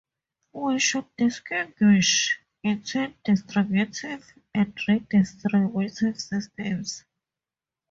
We should distinguish between distributive and redistributive systems.